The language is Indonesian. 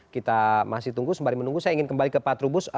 kita masih tunggu sembari menunggu saya ingin kembali ke pak trubus